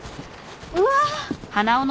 うわ。